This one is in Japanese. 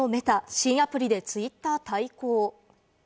新アプリでツイッターに対抗？